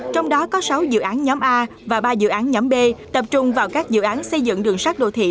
trong đó có sáu dự án nhóm a và ba dự án nhóm b tập trung vào các dự án xây dựng đường sát đô thị